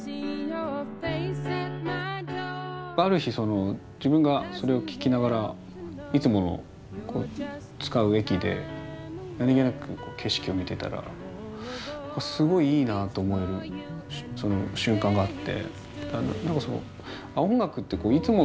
ある日自分がそれを聴きながらいつもの使う駅で何気なく景色を見てたらすごいいいなと思える瞬間があって。